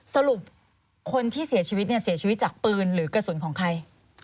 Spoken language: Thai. สรุปคนที่เสียชีวิตเสียชีวิตจากปืนหรือกระสุนของใคร